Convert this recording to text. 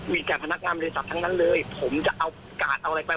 มีแก่พนักงานบริษัททั้งนั้นเลยผมจะเอากาดเอาอะไรไป